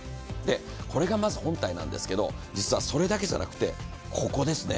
これがまず本体なんですが実はそれだけじゃなくてここですね。